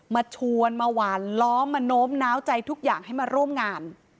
มาชวนมาหวานล้อมมาโน้มน้าวใจทุกอย่างให้มาร่วมงาน